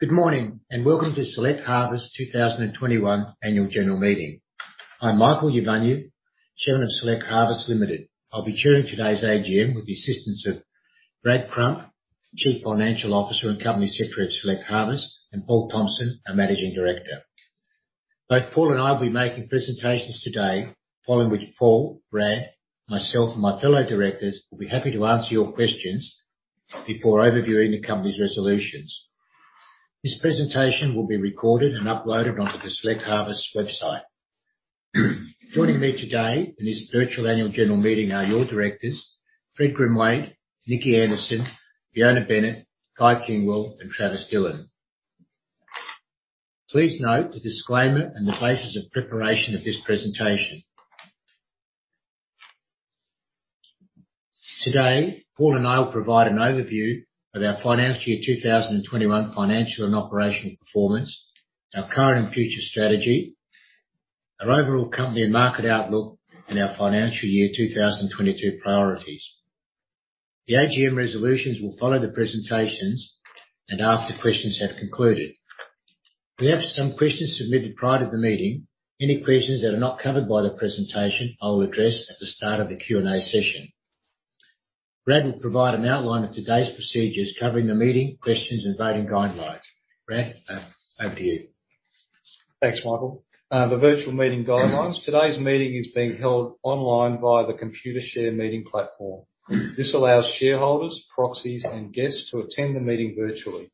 Good morning, and welcome to Select Harvests' 2021 annual general meeting. I'm Michael Iwaniw, Chairman of Select Harvests Limited. I'll be chairing today's AGM with the assistance of Brad Crump, Chief Financial Officer and Company Secretary of Select Harvests, and Paul Thompson, our Managing Director. Both Paul and I will be making presentations today, following which Paul, Brad, myself, and my fellow directors will be happy to answer your questions before overviewing the company's resolutions. This presentation will be recorded and uploaded onto the Select Harvests website. Joining me today in this virtual annual general meeting are your directors, Fred Grimwade, Nicki Anderson, Fiona Bennett, Guy Kingwill, and Travis Dillon. Please note the disclaimer and the basis of preparation of this presentation. Today, Paul and I will provide an overview of our financial year 2021 financial and operational performance, our current and future strategy, our overall company and market outlook, and our financial year 2022 priorities. The AGM resolutions will follow the presentations and after questions have concluded. We have some questions submitted prior to the meeting. Any questions that are not covered by the presentation, I will address at the start of the Q&A session. Brad will provide an outline of today's procedures covering the meeting, questions, and voting guidelines. Brad, over to you. Thanks, Michael. The virtual meeting guidelines. Today's meeting is being held online via the Computershare meeting platform. This allows shareholders, proxies, and guests to attend the meeting virtually.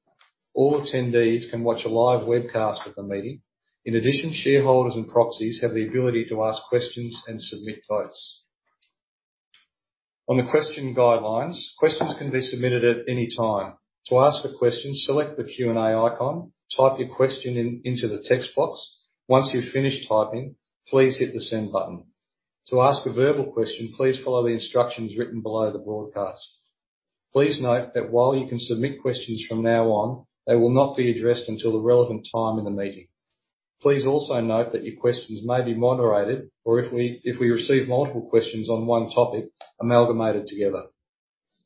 All attendees can watch a live webcast of the meeting. In addition, shareholders and proxies have the ability to ask questions and submit votes. On the question guidelines, questions can be submitted at any time. To ask a question, select the Q&A icon, type your question into the text box. Once you've finished typing, please hit the Send button. To ask a verbal question, please follow the instructions written below the broadcast. Please note that while you can submit questions from now on, they will not be addressed until the relevant time in the meeting. Please also note that your questions may be moderated, or if we receive multiple questions on one topic, amalgamated together.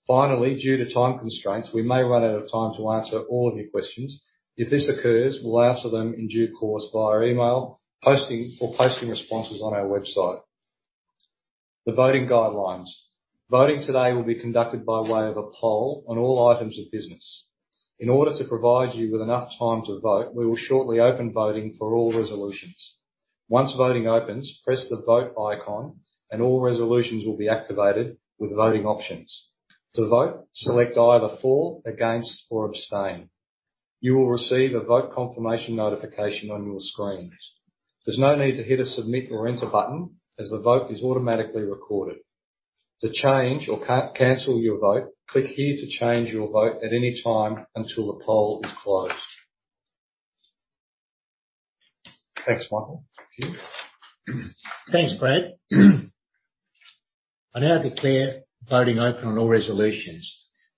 Finally, due to time constraints, we may run out of time to answer all of your questions. If this occurs, we'll answer them in due course via email, posting, or posting responses on our website. The voting guidelines. Voting today will be conducted by way of a poll on all items of business. In order to provide you with enough time to vote, we will shortly open voting for all resolutions. Once voting opens, press the Vote icon and all resolutions will be activated with voting options. To vote, select either For, Against, or Abstain. You will receive a vote confirmation notification on your screens. There's no need to hit a Submit or Enter button, as the vote is automatically recorded. To change or cancel your vote, click here to change your vote at any time until the poll is closed. Thanks, Michael. Thank you. Thanks, Brad. I now declare voting open on all resolutions.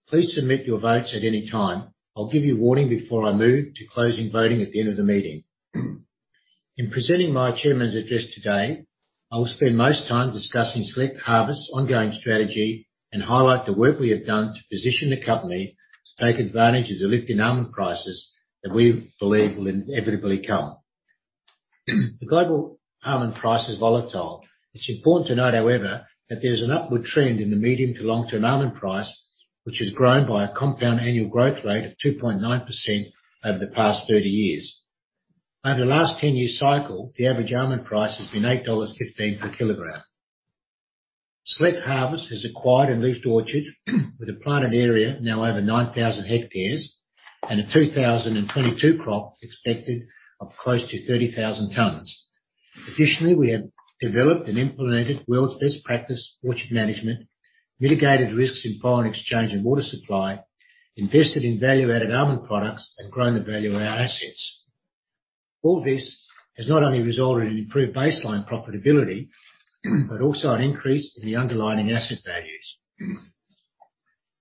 Please submit your votes at any time. I'll give you warning before I move to closing voting at the end of the meeting. In presenting my chairman's address today, I will spend most time discussing Select Harvests' ongoing strategy and highlight the work we have done to position the company to take advantage of the lift in almond prices that we believe will inevitably come. The global almond price is volatile. It's important to note, however, that there's an upward trend in the medium to long-term almond price, which has grown by a compound annual growth rate of 2.9% over the past 30 years. Over the last 10-year cycle, the average almond price has been $8.15 per kilogram. Select Harvests has acquired and leased orchards with a planted area now over 9,000 hectares and a 2022 crop expected of close to 30,000 tons. Additionally, we have developed and implemented world's best practice orchard management, mitigated risks in foreign exchange and water supply, invested in value-added almond products, and grown the value of our assets. All this has not only resulted in improved baseline profitability, but also an increase in the underlying asset values.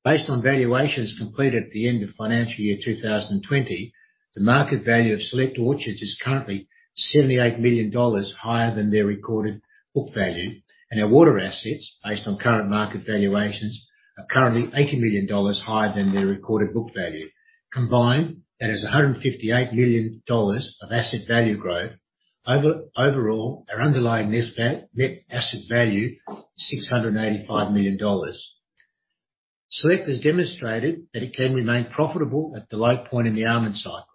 Based on valuations completed at the end of financial year 2020, the market value of Select Harvests' orchards is currently 78 million dollars higher than their recorded book value. Our water assets, based on current market valuations, are currently 80 million dollars higher than their recorded book value. Combined, that is 158 million dollars of asset value growth. Overall, our underlying net asset value 685 million dollars. Select has demonstrated that it can remain profitable at the low point in the almond cycle.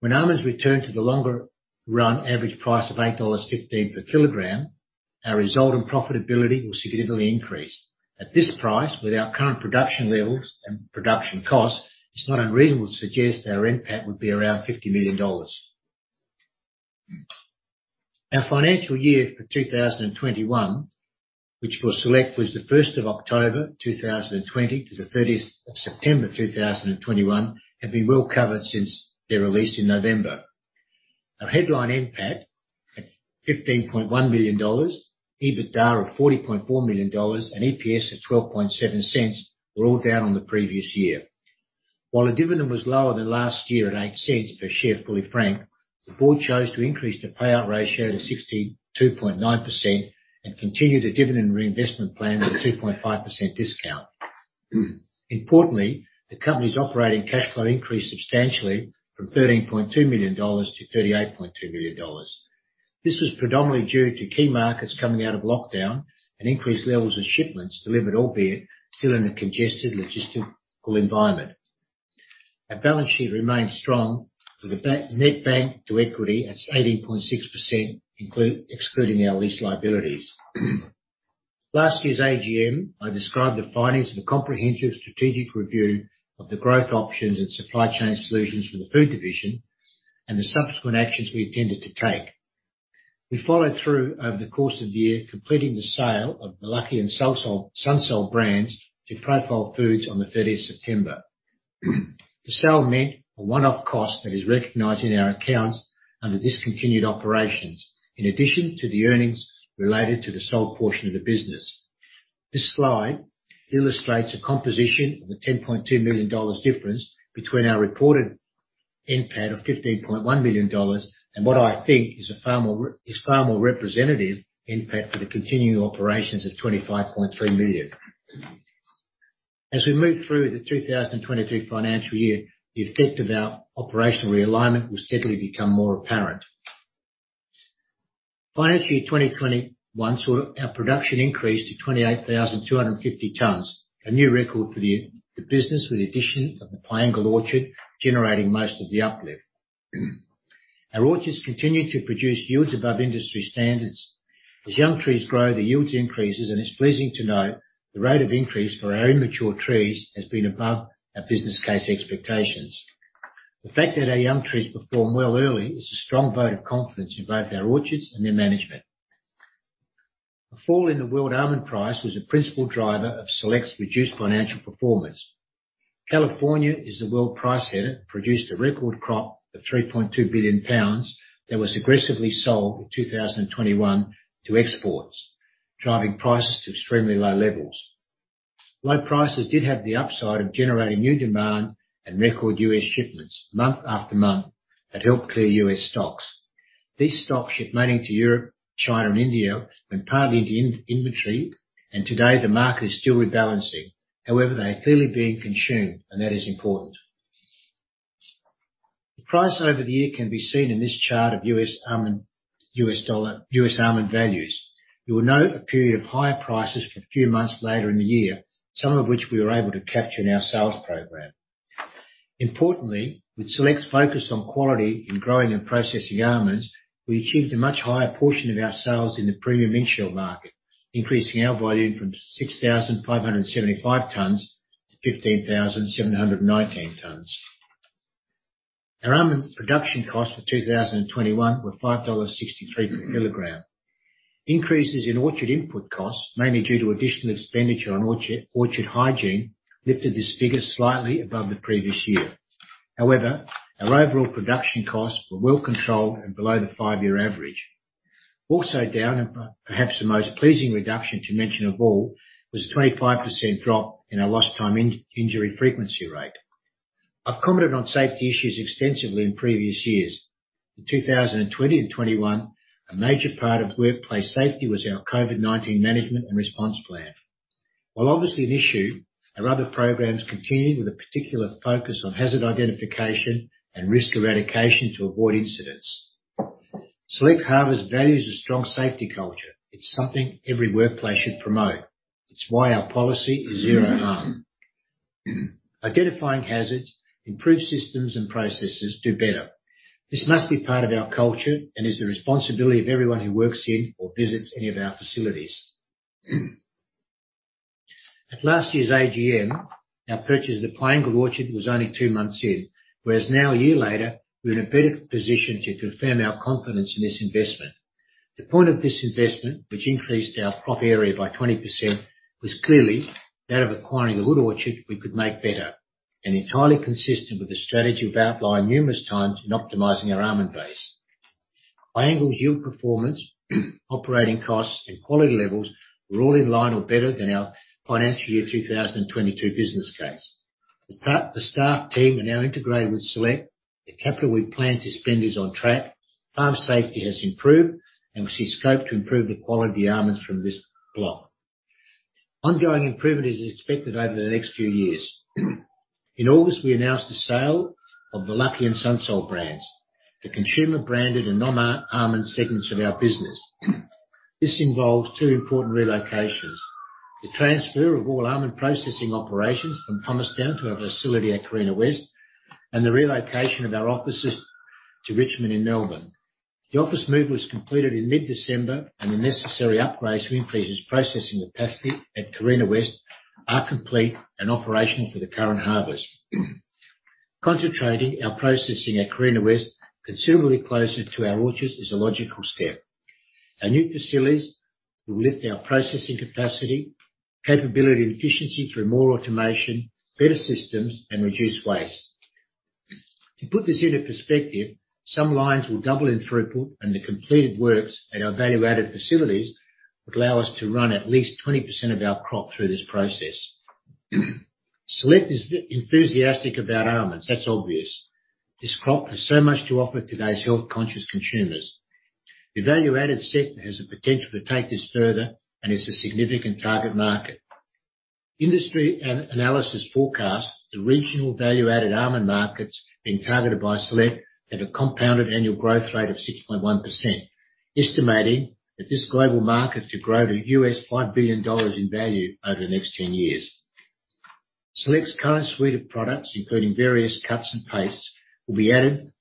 When almonds return to the longer run average price of 8.15 dollars per kilogram, our result and profitability will significantly increase. At this price, with our current production levels and production costs, it's not unreasonable to suggest our NPAT would be around 50 million dollars. Our financial year for 2021, which for Select was October 1, 2020 to September 30, 2021, have been well covered since their release in November. Our headline NPAT of 15.1 million dollars, EBITDA of 40.4 million dollars, and EPS of 0.127 were all down on the previous year. While the dividend was lower than last year at 8 cents per share, fully franked. The board chose to increase the payout ratio to 62.9% and continue the dividend reinvestment plan with a 2.5% discount. Importantly, the company's operating cash flow increased substantially from 13.2 million dollars to 38.2 million dollars. This was predominantly due to key markets coming out of lockdown and increased levels of shipments delivered, albeit still in a congested logistical environment. Our balance sheet remains strong with a net bank debt to equity at 18.6% excluding our lease liabilities. Last year's AGM, I described the findings of a comprehensive strategic review of the growth options and supply chain solutions for the food division and the subsequent actions we intended to take. We followed through over the course of the year, completing the sale of the Lucky and Sunsol brands to Prolife Foods on the September 30. The sale meant a one-off cost that is recognized in our accounts under discontinued operations in addition to the earnings related to the sold portion of the business. This slide illustrates the composition of the 10.2 million dollars difference between our reported NPAT of 15.1 million dollars and what I think is far more representative NPAT for the continuing operations of 25.3 million. As we move through the 2022 financial year, the effect of our operational realignment will steadily become more apparent. Financial year 2021 saw our production increase to 28,250 tons, a new record for the business with the addition of the Piangil orchard, generating most of the uplift. Our orchards continued to produce yields above industry standards. As young trees grow, the yields increase, and it's pleasing to note the rate of increase for our immature trees has been above our business case expectations. The fact that our young trees perform well early is a strong vote of confidence in both our orchards and their management. A fall in the world almond price was a principal driver of Select's reduced financial performance. California is the world price setter, produced a record crop of 3.2 billion pounds that was aggressively sold in 2021 to exports, driving prices to extremely low levels. Low prices did have the upside of generating new demand and record U.S. shipments month after month that helped clear U.S. stocks. These stocks, shipping to Europe, China, and India, went partly into inventory, and today the market is still rebalancing. However, they are clearly being consumed, and that is important. The price over the year can be seen in this chart of U.S. almond values. You will note a period of higher prices for a few months later in the year, some of which we were able to capture in our sales program. Importantly, with Select's focus on quality in growing and processing almonds, we achieved a much higher portion of our sales in the premium in-shell market, increasing our volume from 6,575 tons to 15,719 tons. Our almond production costs for 2021 were 5.63 dollars per kilogram. Increases in orchard input costs, mainly due to additional expenditure on orchard hygiene, lifted this figure slightly above the previous year. However, our overall production costs were well controlled and below the five-year average. Also down, and perhaps the most pleasing reduction to mention of all, was a 25% drop in our lost time injury frequency rate. I've commented on safety issues extensively in previous years. In 2020 and 2021, a major part of workplace safety was our COVID-19 management and response plan. While obviously an issue, our other programs continued with a particular focus on hazard identification and risk eradication to avoid incidents. Select Harvests values a strong safety culture. It's something every workplace should promote. It's why our policy is zero harm. Identifying hazards, improve systems, and processes do better. This must be part of our culture and is the responsibility of everyone who works in or visits any of our facilities. At last year's AGM, our purchase of the Piangil orchard was only two months in, whereas now, a year later, we're in a better position to confirm our confidence in this investment. The point of this investment, which increased our crop area by 20%, was clearly that of acquiring a good orchard we could make better and entirely consistent with the strategy we've outlined numerous times in optimizing our almond base. Piangil's yield performance, operating costs, and quality levels were all in line or better than our financial year 2022 business case. The staff team are now integrated with Select. The capital we plan to spend is on track. Farm safety has improved, and we see scope to improve the quality of the almonds from this block. Ongoing improvement is expected over the next few years. In August, we announced the sale of the Lucky and Sunsol brands, the consumer branded and non-almond segments of our business. This involves two important relocations, the transfer of all almond processing operations from Thomastown to our facility at Carina West, and the relocation of our offices to Richmond in Melbourne. The office move was completed in mid-December, and the necessary upgrades to increase its processing capacity at Carina West are complete and operational for the current harvest. Concentrating our processing at Carina West considerably closer to our orchards is a logical step. Our new facilities will lift our processing capacity, capability, and efficiency through more automation, better systems, and reduce waste. To put this into perspective, some lines will double in throughput, and the completed works at our value-added facilities would allow us to run at least 20% of our crop through this process. Select is very enthusiastic about almonds, that's obvious. This crop has so much to offer today's health-conscious consumers. The value-added sector has the potential to take this further and is a significant target market. Industry analysis forecasts the regional value-added almond markets being targeted by Select at a compounded annual growth rate of 6.1%, estimating that this global market to grow to $5 billion in value over the next 10 years. Select's current suite of products, including various cuts and pastes, will be added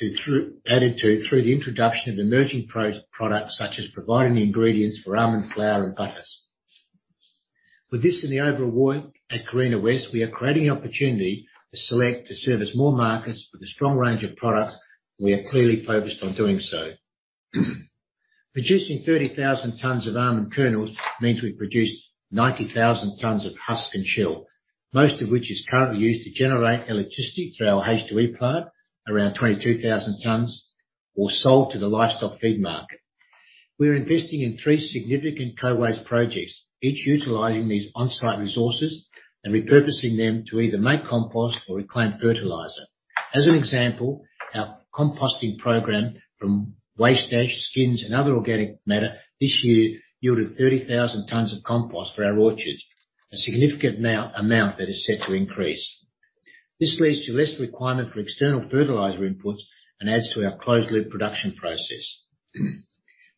to through the introduction of emerging products such as providing the ingredients for almond flour and butters. With this and the overall work at Carina West, we are creating an opportunity to Select to service more markets with a strong range of products, and we are clearly focused on doing so. Producing 30,000 tons of almond kernels means we produce 90,000 tons of husk and shell, most of which is currently used to generate electricity through our H2E plant, around 22,000 tons, or sold to the livestock feed market. We're investing in three significant co-waste projects, each utilizing these on-site resources and repurposing them to either make compost or reclaim fertilizer. As an example, our composting program from waste ash, skins, and other organic matter this year yielded 30,000 tons of compost for our orchards. A significant amount that is set to increase. This leads to less requirement for external fertilizer inputs and adds to our closed loop production process.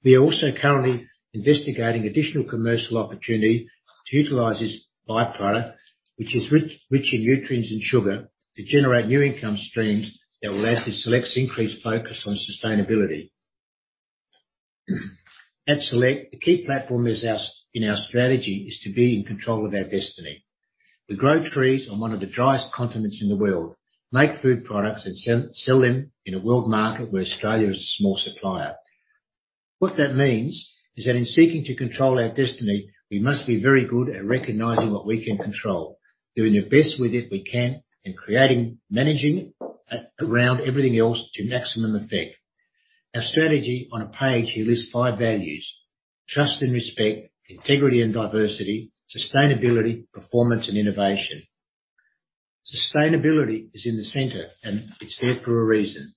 We are also currently investigating additional commercial opportunity to utilize this by-product, which is rich in nutrients and sugar, to generate new income streams that will add to Select's increased focus on sustainability. At Select, the key platform in our strategy is to be in control of our destiny. We grow trees on one of the driest continents in the world, make food products and sell them in a world market where Australia is a small supplier. What that means is that in seeking to control our destiny, we must be very good at recognizing what we can control, doing the best with it we can, and creating, managing it around everything else to maximum effect. Our strategy on a page here lists five values, trust and respect, integrity and diversity, sustainability, performance, and innovation. Sustainability is in the center, and it's there for a reason.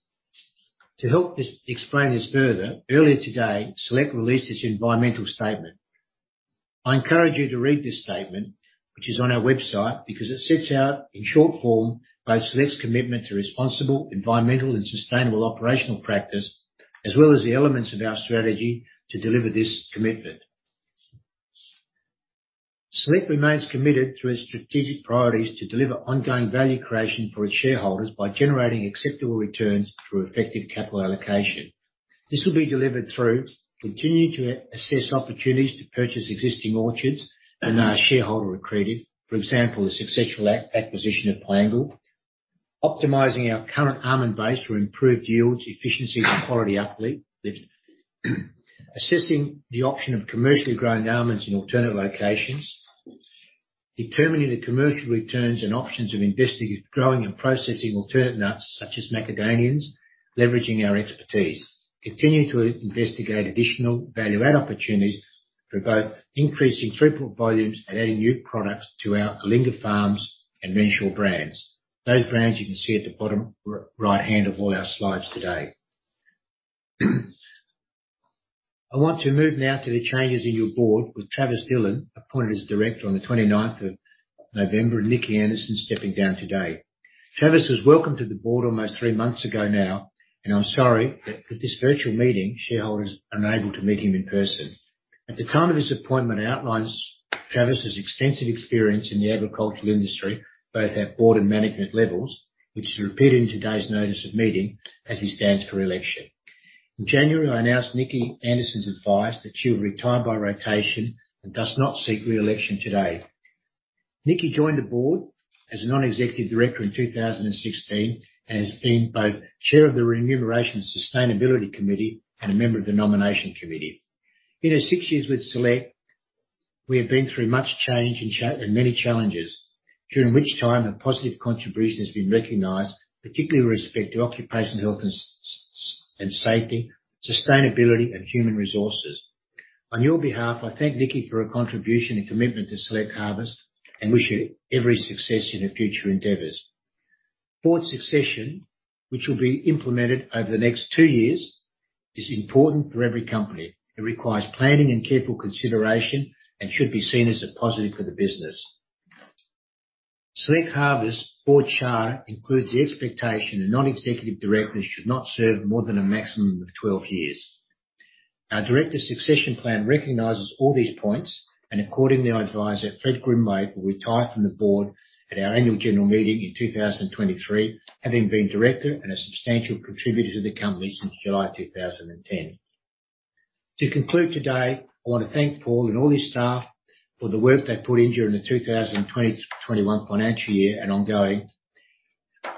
To help explain this further, earlier today, Select released this environmental statement. I encourage you to read this statement, which is on our website, because it sets out, in short form, both Select's commitment to responsible, environmental, and sustainable operational practice, as well as the elements of our strategy to deliver this commitment. Select remains committed through its strategic priorities to deliver ongoing value creation for its shareholders by generating acceptable returns through effective capital allocation. This will be delivered through continuing to assess opportunities to purchase existing orchards when they are shareholder accretive, for example, the successful acquisition of Piangil, optimizing our current almond base for improved yields, efficiency, and quality uplift, and assessing the option of commercially growing almonds in alternate locations. Determining the commercial returns and options of growing and processing alternate nuts such as macadamias, leveraging our expertise. Continuing to investigate additional value-add opportunities for both increasing throughput volumes and adding new products to our Allinga Farms and Renshaw brands. Those brands you can see at the bottom right-hand of all our slides today. I want to move now to the changes in your board, with Travis Dillon appointed as director on the November 29 and Nicki Anderson stepping down today. Travis was welcomed to the board almost three months ago now, and I'm sorry that with this virtual meeting, shareholders are unable to meet him in person. At the time of his appointment, outlining Travis's extensive experience in the agricultural industry, both at board and management levels, which is repeated in today's notice of meeting as he stands for election. In January, I announced Nicki Anderson's advice that she'll retire by rotation and does not seek re-election today. Nicki joined the board as a non-executive director in 2016 and has been both Chair of the Remuneration and Sustainability Committee and a member of the Nomination Committee. In her six years with Select, we have been through much change and many challenges, during which time her positive contribution has been recognized, particularly with respect to occupational health and safety, sustainability, and human resources. On your behalf, I thank Nicki for her contribution and commitment to Select Harvests and wish her every success in her future endeavors. Board succession, which will be implemented over the next two years, is important for every company. It requires planning and careful consideration and should be seen as a positive for the business. Select Harvests Board charter includes the expectation that non-executive directors should not serve more than a maximum of 12 years. Our director succession plan recognizes all these points, and accordingly, I advise that Fred Grimwade will retire from the Board at our annual general meeting in 2023, having been director and a substantial contributor to the company since July 2010. To conclude today, I want to thank Paul and all his staff for the work they've put in during the 2021 financial year and ongoing,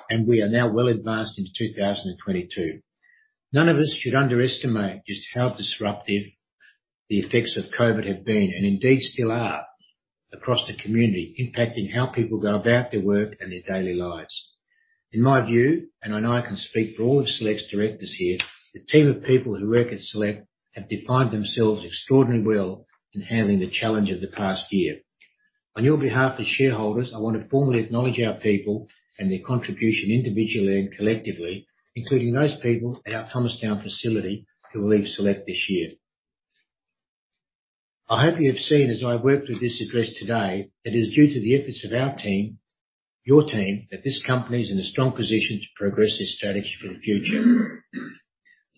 and we are now well advanced into 2022. None of us should underestimate just how disruptive the effects of COVID have been, and indeed still are, across the community, impacting how people go about their work and their daily lives. In my view, and I know I can speak for all of Select's directors here, the team of people who work at Select have defined themselves extraordinarily well in handling the challenge of the past year. On your behalf as shareholders, I want to formally acknowledge our people and their contribution individually and collectively, including those people at our Thomastown facility who will leave Select this year. I hope you have seen as I worked with this address today, it is due to the efforts of our team, your team, that this company is in a strong position to progress its strategy for the future.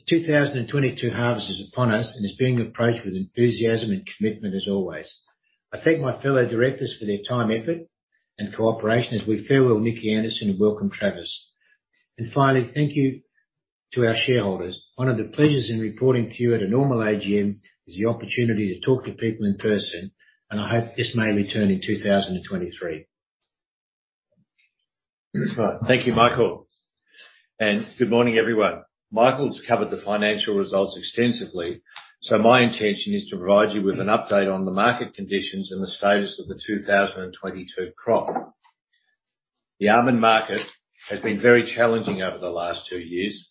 The 2022 harvest is upon us and is being approached with enthusiasm and commitment as always. I thank my fellow directors for their time, effort, and cooperation as we farewell Nicki Anderson and welcome Travis. Finally, thank you to our shareholders. One of the pleasures in reporting to you at a normal AGM is the opportunity to talk to people in person, and I hope this may return in 2023. Thank you, Michael. Good morning, everyone. Michael's covered the financial results extensively, so my intention is to provide you with an update on the market conditions and the status of the 2022 crop. The almond market has been very challenging over the last two years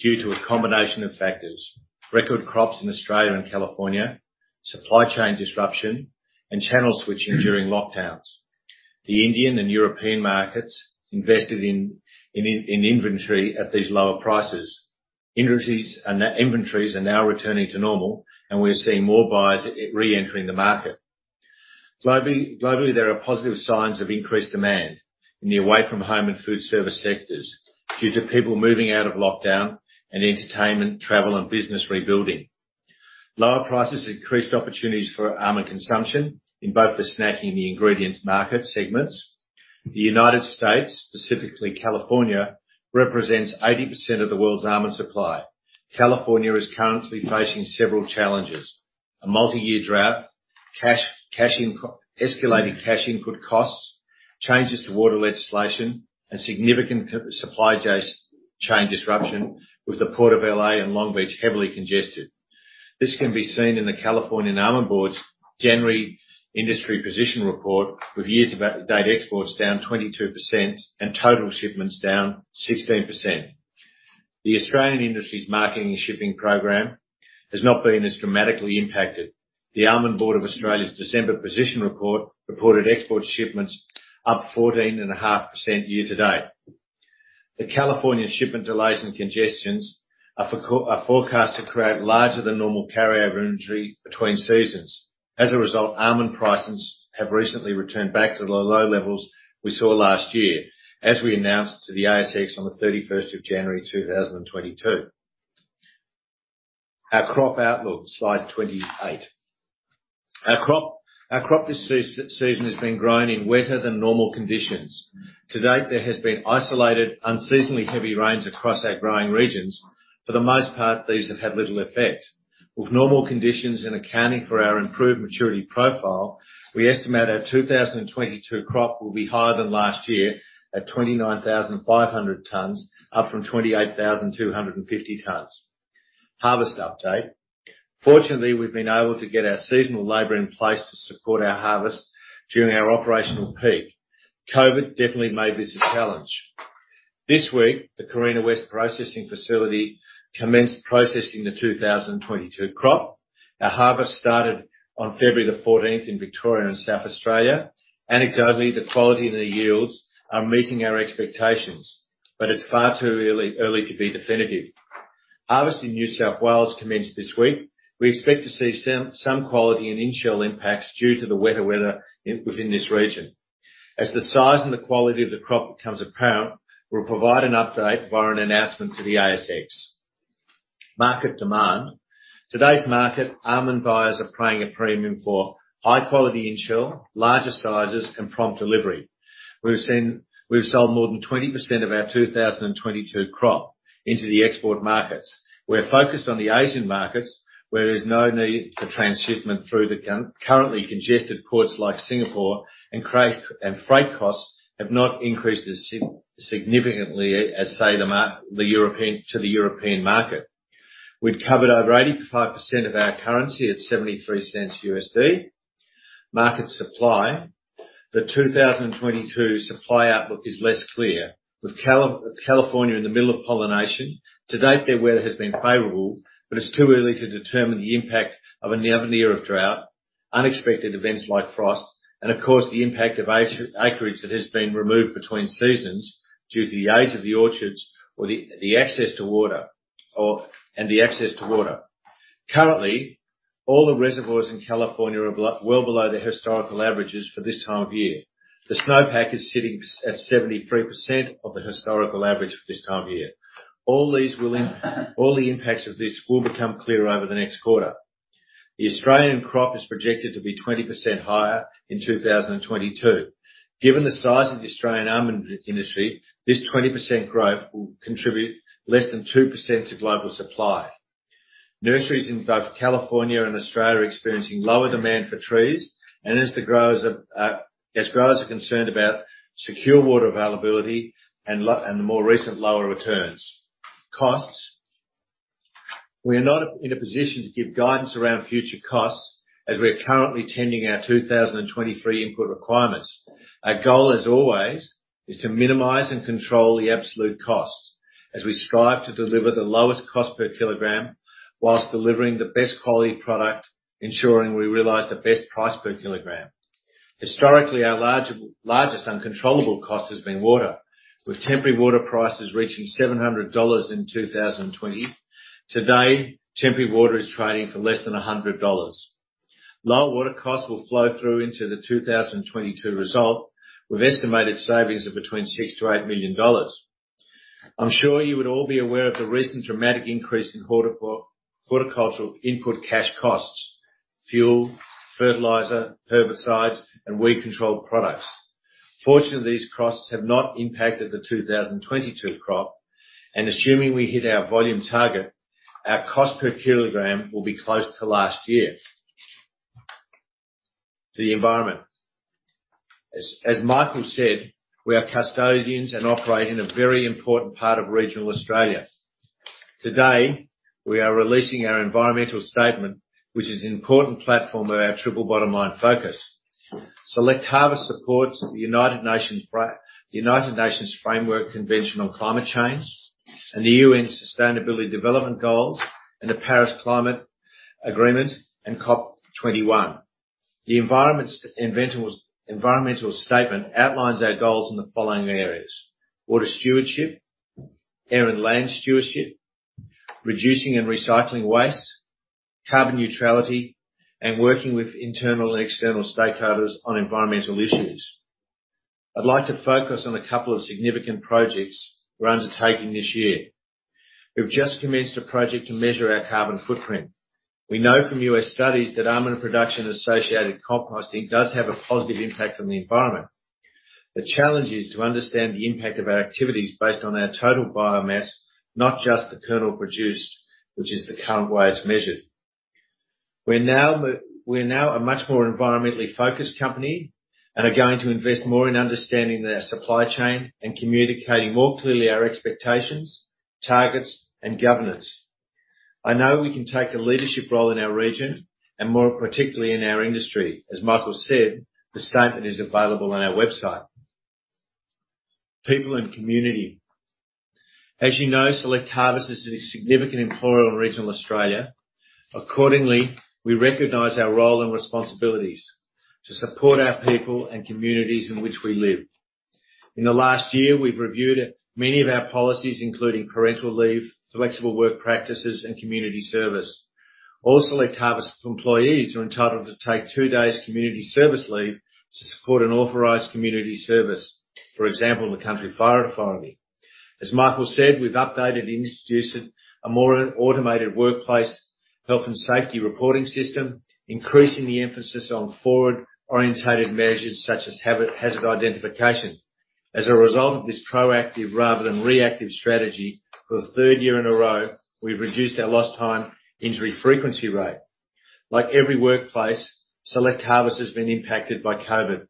due to a combination of factors. Record crops in Australia and California, supply chain disruption, and channel switching during lockdowns. The Indian and European markets invested in inventory at these lower prices. Inventories are now returning to normal, and we are seeing more buyers reentering the market. Globally, there are positive signs of increased demand in the away-from-home and food service sectors due to people moving out of lockdown and entertainment, travel, and business rebuilding. Lower prices increased opportunities for almond consumption in both the snacking and the ingredients market segments. The United States, specifically California, represents 80% of the world's almond supply. California is currently facing several challenges. A multi-year drought, escalating cash input costs, changes to water legislation, and significant supply chain disruption, with the port of L.A. and Long Beach heavily congested. This can be seen in the Almond Board of California’s January Industry Position Report, with year-to-date exports down 22% and total shipments down 16%. The Australian industry's marketing and shipping program has not been as dramatically impacted. The Almond Board of Australia’s December position report reported export shipments up 14.5% year to date. The California shipment delays and congestions are forecast to create larger than normal carry over inventory between seasons. As a result, almond prices have recently returned back to the low levels we saw last year, as we announced to the ASX on the January 31, 2022. Our crop outlook. Slide 28. Our crop this season has been grown in wetter than normal conditions. To date, there has been isolated, unseasonably heavy rains across our growing regions. For the most part, these have had little effect. With normal conditions and accounting for our improved maturity profile, we estimate our 2022 crop will be higher than last year at 29,500 tons, up from 28,250 tons. Harvest update. Fortunately, we've been able to get our seasonal labor in place to support our harvest during our operational peak. COVID definitely made this a challenge. This week, the Carina West processing facility commenced processing the 2022 crop. Our harvest started on February 14 in Victoria and South Australia. Anecdotally, the quality and the yields are meeting our expectations, but it's far too early to be definitive. Harvest in New South Wales commenced this week. We expect to see some quality and in-shell impacts due to the wetter weather within this region. As the size and the quality of the crop becomes apparent, we'll provide an update via an announcement to the ASX. Market demand. Today's market, almond buyers are paying a premium for high quality in-shell, larger sizes, and prompt delivery. We've sold more than 20% of our 2022 crop into the export markets. We're focused on the Asian markets, where there is no need for transshipment through the concurrently congested ports like Singapore, and freight costs have not increased as significantly as, say, to the European market. We've covered over 85% of our currency at $0.73. Market supply. The 2022 supply outlook is less clear, with California in the middle of pollination. To date, their weather has been favorable, but it's too early to determine the impact of another year of drought, unexpected events like frost, and of course, the impact of acreage that has been removed between seasons due to the age of the orchards or the access to water. Currently, all the reservoirs in California are well below their historical averages for this time of year. The snowpack is sitting at 73% of the historical average for this time of year. All the impacts of this will become clearer over the next quarter. The Australian crop is projected to be 20% higher in 2022. Given the size of the Australian almond industry, this 20% growth will contribute less than 2% to global supply. Nurseries in both California and Australia are experiencing lower demand for trees, and as growers are concerned about secure water availability and the more recent lower returns and costs. We are not in a position to give guidance around future costs as we are currently tendering our 2023 input requirements. Our goal, as always, is to minimize and control the absolute costs as we strive to deliver the lowest cost per kilogram while delivering the best quality product, ensuring we realize the best price per kilogram. Historically, our largest uncontrollable cost has been water, with temporary water prices reaching 700 dollars in 2020. Today, temporary water is trading for less than 100 dollars. Lower water costs will flow through into the 2022 result, with estimated savings of between 6 million and 8 million dollars. I'm sure you would all be aware of the recent dramatic increase in horticultural input cash costs, fuel, fertilizer, herbicides, and weed control products. Fortunately, these costs have not impacted the 2022 crop, and assuming we hit our volume target, our cost per kilogram will be close to last year. The environment. As Michael said, we are custodians and operate in a very important part of regional Australia. Today, we are releasing our environmental statement, which is an important platform of our triple bottom line focus. Select Harvests supports the United Nations Framework Convention on Climate Change and the UN Sustainable Development Goals and the Paris Agreement and COP 21. The environmental statement outlines our goals in the following areas, water stewardship, air and land stewardship, reducing and recycling waste, carbon neutrality, and working with internal and external stakeholders on environmental issues. I'd like to focus on a couple of significant projects we're undertaking this year. We've just commenced a project to measure our carbon footprint. We know from U.S. studies that almond production-associated composting does have a positive impact on the environment. The challenge is to understand the impact of our activities based on our total biomass, not just the kernel produced, which is the current way it's measured. We're now a much more environmentally focused company and are going to invest more in understanding their supply chain and communicating more clearly our expectations, targets, and governance. I know we can take a leadership role in our region, and more particularly in our industry. As Michael said, the statement is available on our website. People and community. As you know, Select Harvests is a significant employer in regional Australia. Accordingly, we recognize our role and responsibilities to support our people and communities in which we live. In the last year, we've reviewed many of our policies, including parental leave, flexible work practices, and community service. All Select Harvests employees are entitled to take two days community service leave to support an authorized community service, for example, the Country Fire Authority. As Michael said, we've updated and introduced a more automated workplace health and safety reporting system, increasing the emphasis on forward-oriented measures such as habit-hazard identification. As a result of this proactive rather than reactive strategy, for the third year in a row, we've reduced our lost time injury frequency rate. Like every workplace, Select Harvests has been impacted by COVID.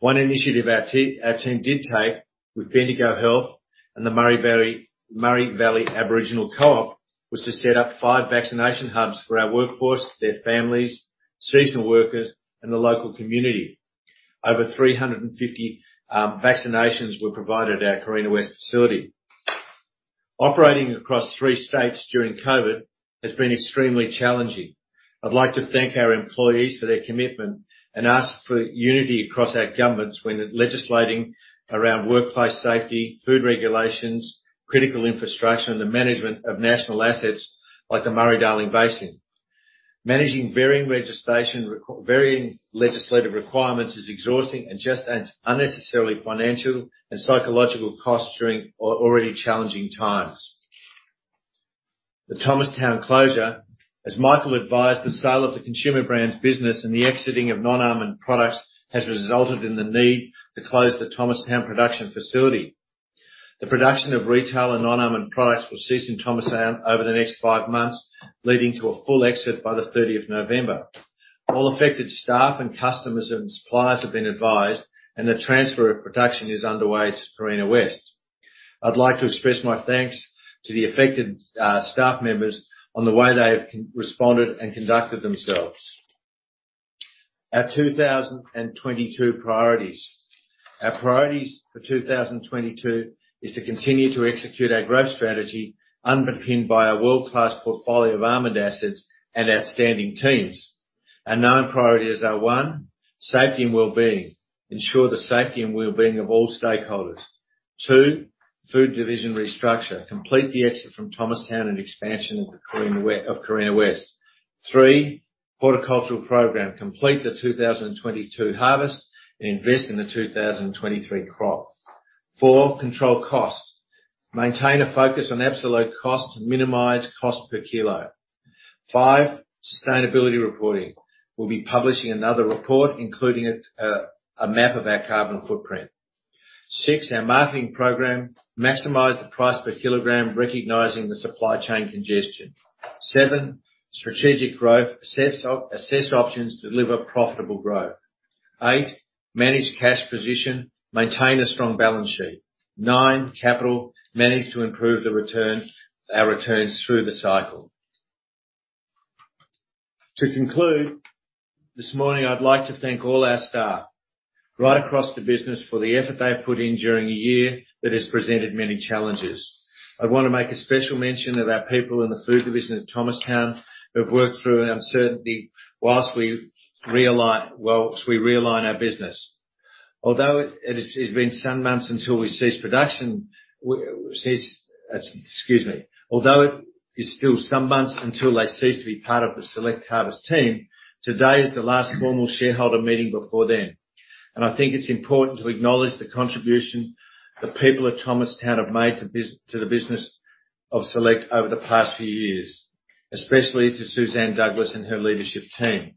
One initiative our team did take with Bendigo Health and the Murray Valley Aboriginal Co-op was to set up five vaccination hubs for our workforce, their families, seasonal workers, and the local community. Over 350 vaccinations were provided at our Carina West facility. Operating across three states during COVID has been extremely challenging. I'd like to thank our employees for their commitment and ask for unity across our governments when legislating around workplace safety, food regulations, critical infrastructure, and the management of national assets like the Murray-Darling Basin. Managing varying legislative requirements is exhausting and just adds unnecessarily financial and psychological costs during already challenging times. The Thomastown closure, as Michael advised, the sale of the consumer brands business and the exiting of non-almond products has resulted in the need to close the Thomastown production facility. The production of retail and non-almond products will cease in Thomastown over the next five months, leading to a full exit by the November 30. All affected staff and customers and suppliers have been advised, and the transfer of production is underway to Carina West. I'd like to express my thanks to the affected staff members on the way they have responded and conducted themselves. Our 2022 priorities. Our priorities for 2022 is to continue to execute our growth strategy, underpinned by a world-class portfolio of almond assets and outstanding teams. Our nine priorities are, one, safety and well-being. Ensure the safety and well-being of all stakeholders. Two, food division restructure. Complete the exit from Thomastown and expansion of Carina West. Three, horticultural program. Complete the 2022 harvest and invest in the 2023 crop. Four, control costs. Maintain a focus on absolute cost to minimize cost per kilo. Five, sustainability reporting. We'll be publishing another report, including a map of our carbon footprint. Six, our marketing program. Maximize the price per kilogram, recognizing the supply chain congestion. Seven, strategic growth. Assess options to deliver profitable growth. Eight, manage cash position, maintain a strong balance sheet. Nine, capital. Manage to improve the return, our returns through the cycle. To conclude, this morning I'd like to thank all our staff right across the business for the effort they have put in during a year that has presented many challenges. I wanna make a special mention of our people in the food division at Thomastown, who have worked through uncertainty whilst we realign our business. Although it has been some months until we cease production. Although it is still some months until they cease to be part of the Select Harvests team, today is the last formal shareholder meeting before then, and I think it's important to acknowledge the contribution the people at Thomastown have made to the business of Select Harvests over the past few years, especially to Suzanne Douglas and her leadership team.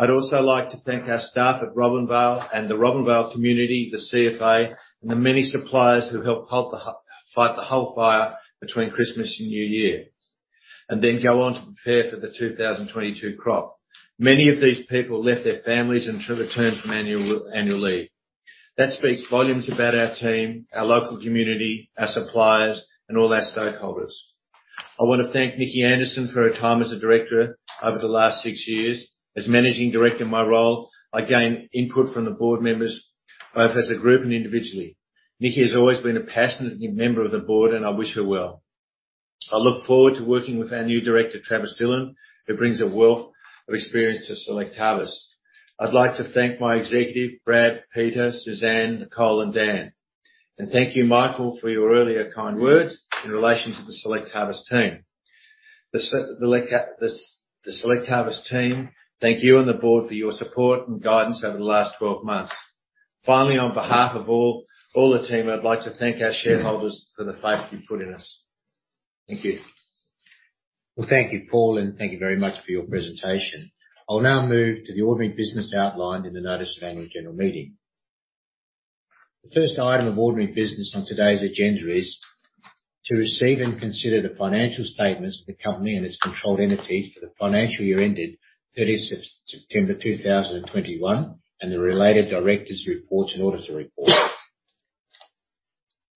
I'd also like to thank our staff at Robinvale and the Robinvale community, the CFA, and the many suppliers who helped fight the whole fire between Christmas and New Year, and then go on to prepare for the 2022 crop. Many of these people left their families and returned from annual leave. That speaks volumes about our team, our local community, our suppliers, and all our stakeholders. I wanna thank Nicki Anderson for her time as a director over the last six years. As Managing Director, my role, I gain input from the board members, both as a group and individually. Nicki has always been a passionate member of the board, and I wish her well. I look forward to working with our new Director, Travis Dillon, who brings a wealth of experience to Select Harvests. I'd like to thank my executive, Brad, Peter, Suzanne, Nicole, and Dan. Thank you, Michael, for your earlier kind words in relation to the Select Harvests team. The Select Harvests team thank you and the board for your support and guidance over the last 12 months. Finally, on behalf of all the team, I'd like to thank our shareholders for the faith you put in us. Thank you. Well, thank you, Paul, and thank you very much for your presentation. I'll now move to the ordinary business outlined in the notice of annual general meeting. The first item of ordinary business on today's agenda is to receive and consider the financial statements of the company and its controlled entities for the financial year ended September 30, 2021, and the related directors' reports and auditors' reports.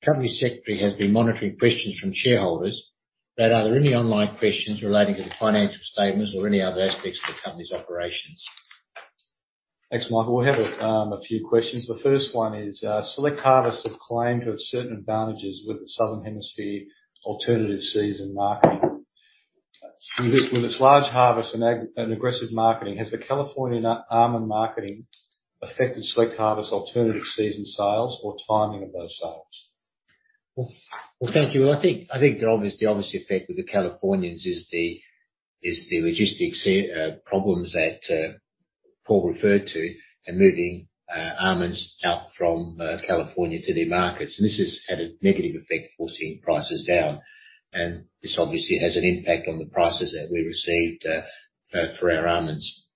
Company secretary has been monitoring questions from shareholders. Brad, are there any online questions relating to the financial statements or any other aspects of the company's operations? Thanks, Michael. We have a few questions. The first one is, Select Harvests have claimed to have certain advantages with the Southern Hemisphere alternative season marketing. With its large harvest and aggressive marketing, has the Californian almond marketing affected Select Harvests alternative season sales or timing of those sales? Well, thank you. I think the obvious effect with the Californians is the logistics problems that Paul referred to in moving almonds out from California to their markets, and this has had a negative effect, forcing prices down. This obviously has an impact on the prices that we received for our almonds.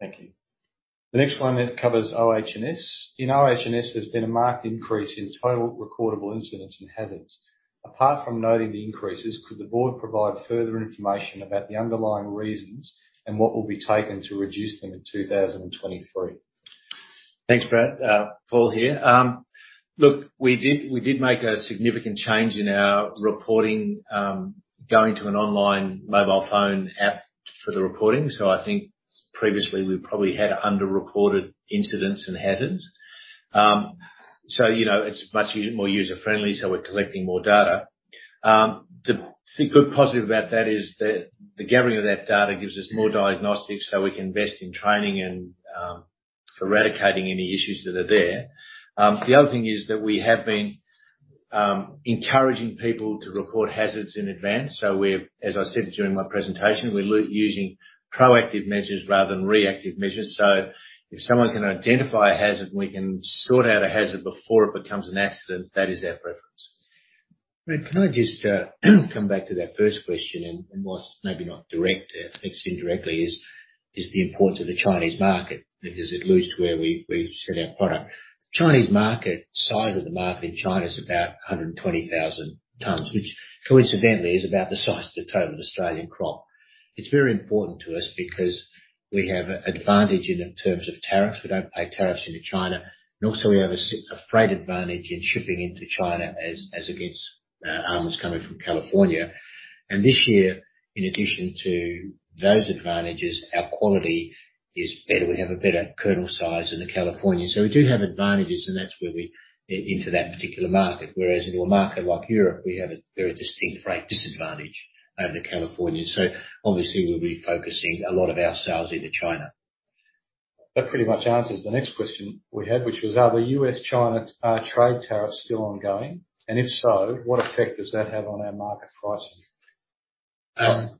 Thank you. The next one, it covers OH&S. In OH&S, there's been a marked increase in total recordable incidents and hazards. Apart from noting the increases, could the board provide further information about the underlying reasons and what will be taken to reduce them in 2023? Thanks, Brad. Paul here. Look, we did make a significant change in our reporting, going to an online mobile phone app for the reporting. I think previously we probably had underreported incidents and hazards. You know, it's much more user-friendly, so we're collecting more data. The good positive about that is the gathering of that data gives us more diagnostics, so we can invest in training and eradicating any issues that are there. The other thing is that we have been encouraging people to report hazards in advance. We're, as I said during my presentation, using proactive measures rather than reactive measures. If someone can identify a hazard, and we can sort out a hazard before it becomes an accident, that is our preference. Brad, can I just come back to that first question? Whilst maybe not direct, it's indirectly the importance of the Chinese market because it alludes to where we've sent our product. Chinese market, size of the market in China is about 120,000 tons, which coincidentally is about the size of the total Australian crop. It's very important to us because we have a advantage in terms of tariffs. We don't pay tariffs into China, and also we have a freight advantage in shipping into China as against almonds coming from California. This year, in addition to those advantages, our quality is better. We have a better kernel size than the Californians. So we do have advantages, and that's where we're into that particular market. Whereas in a market like Europe, we have a very distinct freight disadvantage over the Californians. Obviously we'll be focusing a lot of our sales into China. That pretty much answers the next question we had, which was, are the U.S.-China trade tariffs still ongoing? If so, what effect does that have on our market pricing?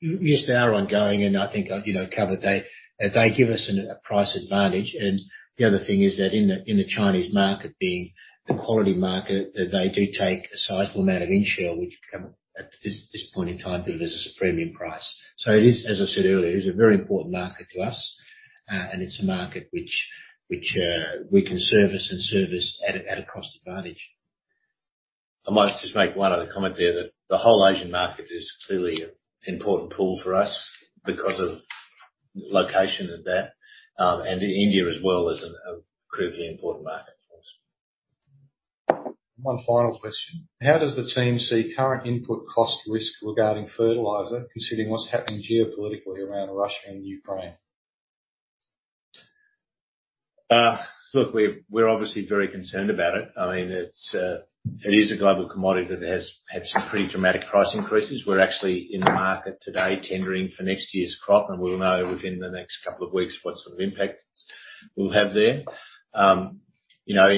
Yes, they are ongoing, and I think I've, you know, covered they give us a price advantage. The other thing is that in the Chinese market being the quality market, that they do take a sizable amount of in-shell, which at this point in time delivers a premium price. It is, as I said earlier, it is a very important market to us, and it's a market which we can service at a cost advantage. I might just make one other comment there that the whole Asian market is clearly an important pool for us because of location and that. India as well is a critically important market for us. One final question: how does the team see current input cost risk regarding fertilizer, considering what's happening geopolitically around Russia and Ukraine? Look, we're obviously very concerned about it. I mean, it is a global commodity that has had some pretty dramatic price increases. We're actually in the market today tendering for next year's crop, and we'll know within the next couple of weeks what sort of impact we'll have there. You know,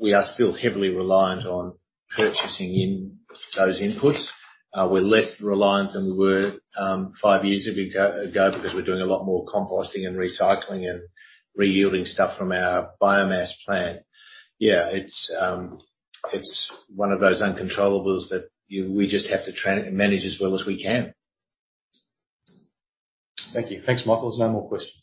we are still heavily reliant on purchasing in those inputs. We're less reliant than we were five years ago because we're doing a lot more composting and recycling and re-yielding stuff from our biomass plant. It's one of those uncontrollables that we just have to try and manage as well as we can. Thank you. Thanks, Michael. There's no more questions.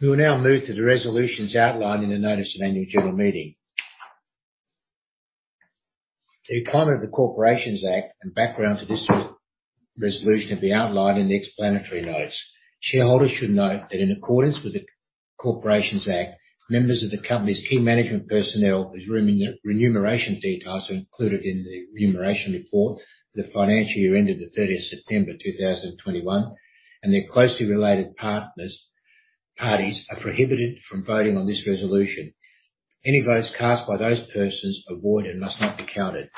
We will now move to the resolutions outlined in the notice of annual general meeting. The explanation of the Corporations Act and background to this resolution will be outlined in the explanatory notes. Shareholders should note that in accordance with the Corporations Act, members of the company's key management personnel whose remuneration details are included in the remuneration report for the financial year ended September 30, 2021, and their closely related parties are prohibited from voting on this resolution. Any votes cast by those persons are void and must not be counted.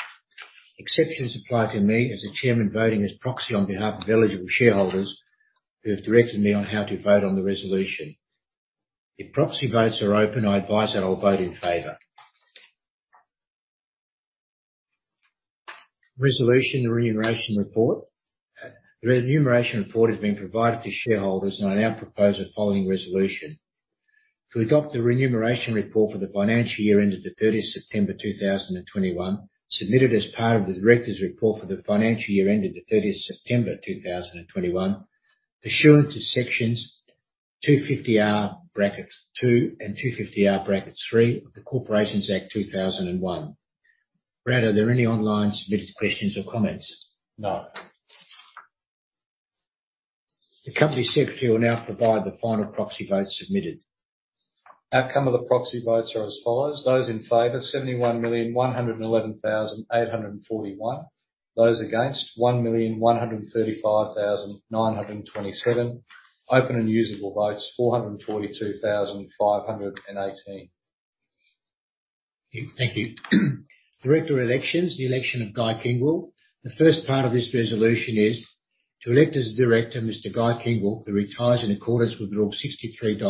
Exceptions apply to me as the Chairman voting as proxy on behalf of eligible shareholders who have directed me on how to vote on the resolution. If proxy votes are open, I advise that I'll vote in favor. Resolution one, the remuneration report. The remuneration report has been provided to shareholders, and I now propose the following resolution: To adopt the remuneration report for the financial year ended September 30, 2021, submitted as part of the directors' report for the financial year ended September 30, 2021, pursuant to sections 250R(2) and 250R(3) of the Corporations Act 2001. Brad, are there any online submitted questions or comments? No. The company secretary will now provide the final proxy votes submitted. Outcome of the proxy votes are as follows: Those in favor, 71,111,841. Those against, 1,135,927. Open and usable votes, 442,518. Thank you. Director elections, the election of Guy Kingwill. The first part of this resolution is to elect as director Mr. Guy Kingwill, who retires in accordance with rule 63.1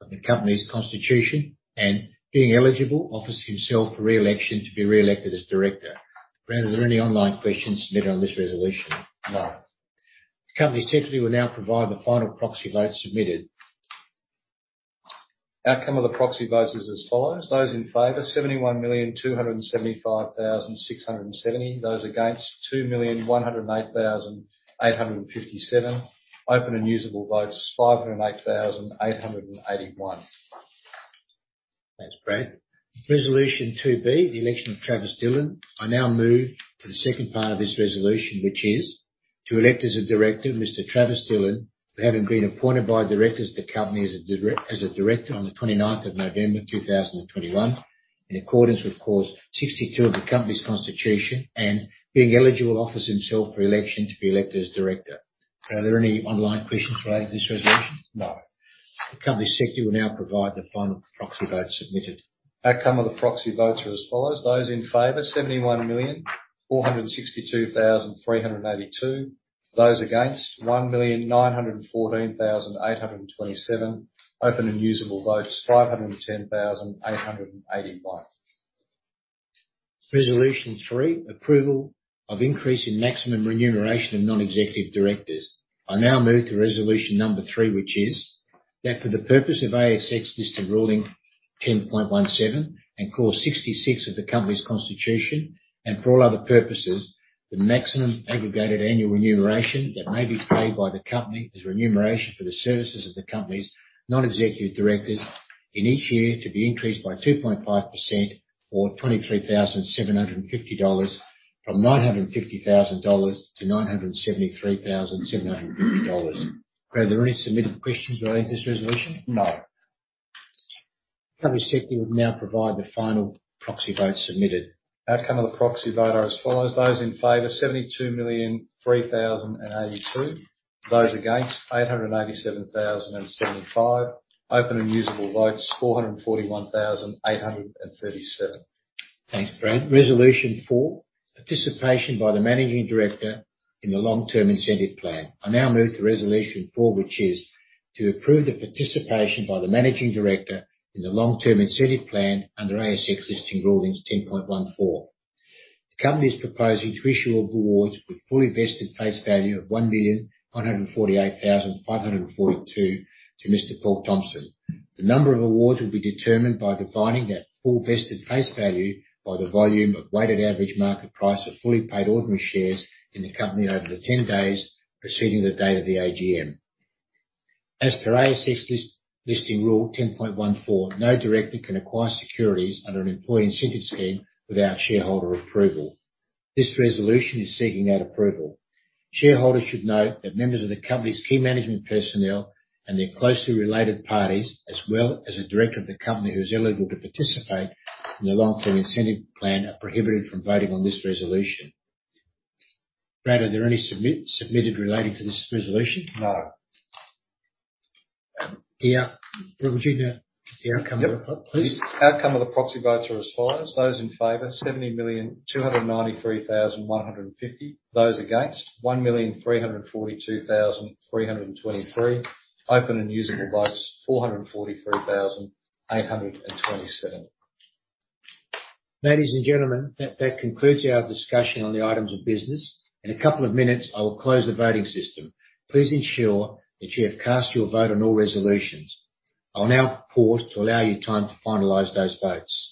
of the company's constitution and, being eligible, offers himself for re-election to be re-elected as director. Brad, are there any online questions submitted on this resolution? No. The company secretary will now provide the final proxy votes submitted. Outcome of the proxy votes is as follows. Those in favor, 71,275,670. Those against, 2,108,857. Open and usable votes, 508,881. Thanks, Brad. Resolution 2B, the election of Travis Dillon. I now move to the second part of this resolution, which is to elect as a director Mr. Travis Dillon, for having been appointed by directors of the company as a director on the November 29, 2021 in accordance with clause 62 of the company's constitution and, being eligible, offers himself for election to be elected as director. Are there any online questions relating to this resolution? No. The Company Secretary will now provide the final proxy votes submitted. Outcome of the proxy votes are as follows. Those in favor, 71,462,382. Those against, 1,914,827. Open and usable votes, 510,881. Resolution three, approval of increase in maximum remuneration of non-executive directors. I now move to resolution number three, which is that for the purpose of ASX Listing Rule 10.17 and clause 66 of the company's constitution and for all other purposes, the maximum aggregated annual remuneration that may be paid by the company as remuneration for the services of the company's non-executive directors in each year to be increased by 2.5% or 23,750 dollars from 950,000 dollars to 973,750 dollars. Brad, are there any submitted questions relating to this resolution? No. The Company Secretary will now provide the final proxy votes submitted. Outcome of the proxy vote are as follows: Those in favor, 72,003,082. Those against, 887,075. Open and usable votes, 441,837. Thanks, Brad. Resolution four, participation by the Managing Director in the Long Term Incentive Plan. I now move to resolution four, which is to approve the participation by the Managing Director in the Long Term Incentive Plan under ASX Listing Rule 10.14. The company is proposing to issue awards with fully vested face value of 1,148,542 to Mr. Paul Thompson. The number of awards will be determined by dividing that fully vested face value by the volume weighted average market price of fully paid ordinary shares in the company over the 10 days preceding the date of the AGM. As per ASX Listing Rule 10.14, no director can acquire securities under an employee incentive scheme without shareholder approval. This resolution is seeking that approval. Shareholders should note that members of the company's key management personnel and their closely related parties, as well as a director of the company who is eligible to participate in the Long Term Incentive Plan are prohibited from voting on this resolution. Brad, are there any submitted questions relating to this resolution? No. Brad, would you state the outcome of the vote, please? Outcome of the proxy votes are as follows. Those in favor, 70,293,150. Those against, 1,342,323. Open and usable votes, 443,827. Ladies and gentlemen, that concludes our discussion on the items of business. In a couple of minutes, I will close the voting system. Please ensure that you have cast your vote on all resolutions. I will now pause to allow you time to finalize those votes.